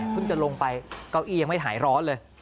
จะลงไปเก้าอี้ยังไม่หายร้อนเลย